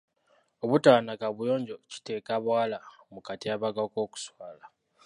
Obutaba na kaabuyonjo kiteeka abawala mu katyabaga k'okuswala.